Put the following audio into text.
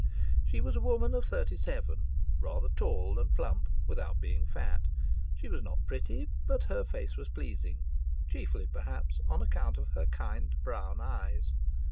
She was a woman of thirty seven, rather tall and plump, without being fat; she was not pretty, but her face was pleasing, chiefly, perhaps, on account of her kind brown eyes.